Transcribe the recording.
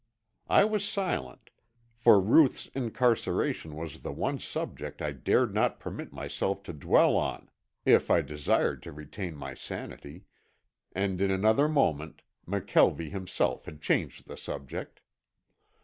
I was silent, for Ruth's incarceration was the one subject I dared not permit myself to dwell on if I desired to retain my sanity, and in another moment McKelvie himself had changed the subject.